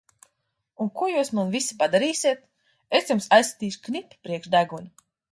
Un ko jūs man visi padarīsit! Es jums aizsitīšu knipi priekš deguna!